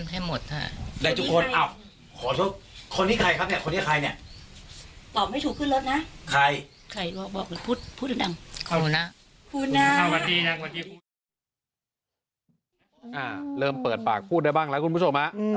เริ่มเปิดปากพูดได้บ้างแล้วคุณผู้ชมฮะ